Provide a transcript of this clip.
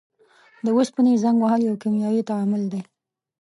د اوسپنې زنګ وهل یو کیمیاوي تعامل دی.